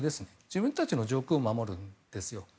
自分たちの上空を守るんです。